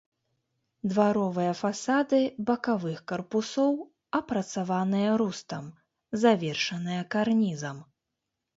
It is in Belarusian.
Дваровыя фасады бакавых карпусоў апрацаваныя рустам, завершаныя карнізам.